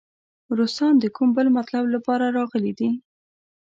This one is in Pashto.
روسان د کوم بل مطلب لپاره راغلي دي.